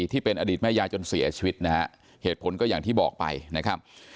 ที่เป็นอดีตแม่ยายจนเสียชีวิตนะฮะเหตุผลก็อย่างที่บอกไปนะครับ